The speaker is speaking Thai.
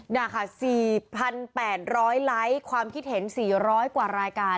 นี่ค่ะ๔๘๐๐ไลค์ความคิดเห็น๔๐๐กว่ารายการ